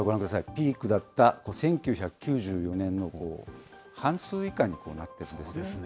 ピークだった１９９４年の半数以下になっているんですね。